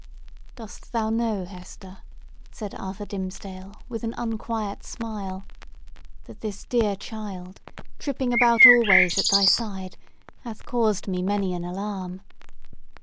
"Dost thou know, Hester," said Arthur Dimmesdale, with an unquiet smile, "that this dear child, tripping about always at thy side, hath caused me many an alarm?